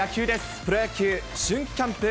プロ野球、春季キャンプ。